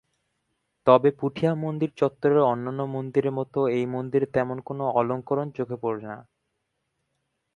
তবে পুঠিয়া মন্দির চত্বরের অন্যান্য মন্দিরের মত এই মন্দিরে তেমন কোন অলঙ্করণ চোখে পড়ে না।